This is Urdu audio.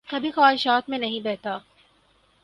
کبھی خواہشات میں نہیں بہتا